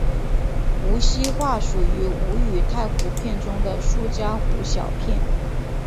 无锡话属于吴语太湖片中的苏嘉湖小片。